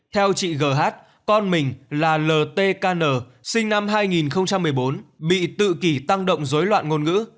theo chị g h con mình là l t k n sinh năm hai nghìn một mươi bốn bị tự kỷ tăng động dối loạn ngôn ngữ